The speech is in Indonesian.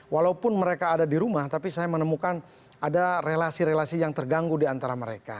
walaupun mereka ada di rumah tapi saya menemukan ada relasi relasi yang terganggu di antara mereka